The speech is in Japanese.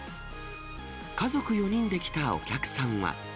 家族４人で来たお客さんは。